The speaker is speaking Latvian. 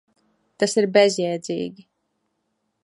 Tas ir bezjēdzīgi.